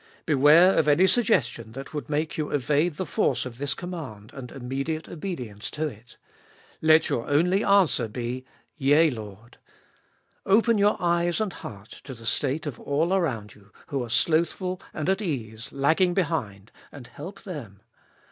Beware of any suggestion that would make you evade the force of this command and immediate obedience to it. Let your only answer be — Yea, Lord. Open your eyes and heart to the state of all around you, who are slothful and at ease, lagging behind, and help them.